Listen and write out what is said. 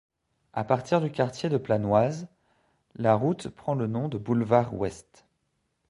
À partir du quartier de Planoise, la route prend le nom de Boulevard ouest.